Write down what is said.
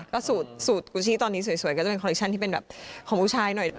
ก็สูตรกูชี่ตอนนี้สวยก็จะเป็นคอลเคชั่นที่เป็นแบบของผู้ชายหน่อย